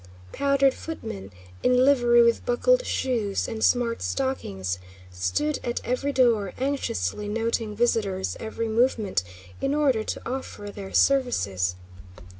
Powdered footmen, in livery with buckled shoes and smart stockings, stood at every door anxiously noting visitors' every movement in order to offer their services.